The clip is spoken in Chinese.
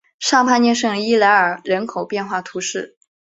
尚帕涅圣伊莱尔人口变化图示